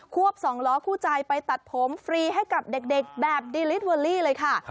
วบสองล้อคู่ใจไปตัดผมฟรีให้กับเด็กแบบดีลิสเวอรี่เลยค่ะ